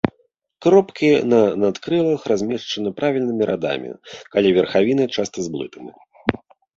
Кропкі на надкрылах размешчаны правільнымі радамі, каля верхавіны часта зблытаны.